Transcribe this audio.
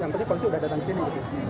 yang tadi polisi sudah datang ke sini